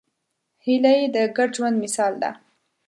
هیلۍ د ګډ ژوند مثال ده